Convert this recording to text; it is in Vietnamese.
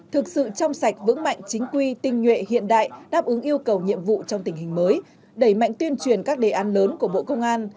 thực sự trong sạch vững mạnh chính quy tinh nhuệ hiện đại đáp ứng yêu cầu nhiệm vụ trong tình hình mới đẩy mạnh tuyên truyền các đề án lớn của bộ công an